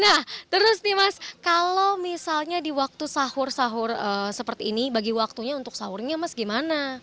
nah terus nih mas kalau misalnya di waktu sahur sahur seperti ini bagi waktunya untuk sahurnya mas gimana